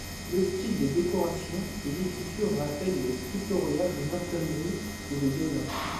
Le style des décorations et l'écriture rappellent les scriptoria de Northumbrie ou de Iona.